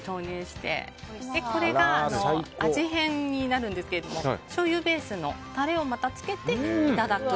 これが味変になるんですけどしょうゆベースのタレをつけていただく。